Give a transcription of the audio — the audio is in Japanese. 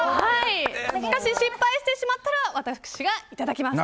しかし、失敗してしまったら私がいただきます。